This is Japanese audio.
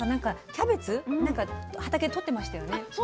キャベツ畑でとってましたよね？